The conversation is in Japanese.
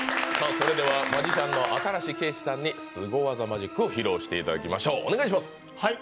それではマジシャンの新子景視さにんにスゴ技マジックを披露してもらいましょう。